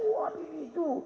wah ini itu